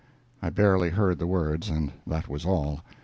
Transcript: I barely heard the words, and that was all.